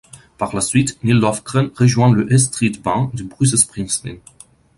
Par la suite, Nils Lofgren rejoint le E Street Band de Bruce Springsteen.